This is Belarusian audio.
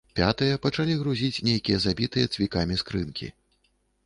Пятыя пачалі грузіць нейкія забітыя цвікамі скрынкі.